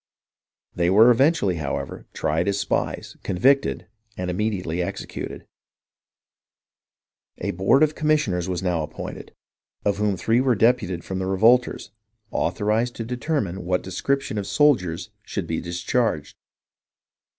They were eventually, however, tried as spies, convicted, and immediately executed. A board of commissioners was now appointed, of whom three were deputed from the revolters, authorized to determine what description of soldiers should be discharged.